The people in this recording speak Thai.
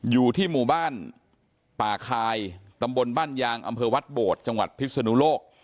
อยู่ที่หมู่บ้านป่าคายตำบลบ้านยางอำเภอวัดโบดจังหวัดพิศนุโลก